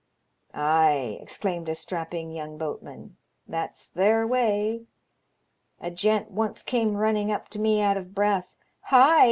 "*' Ay," exclaimed a strapping young boatman, " that's their way. A gent once came running up to me out of breath. * Hi